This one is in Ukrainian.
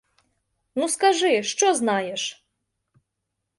Ну, скажи, що знаєш?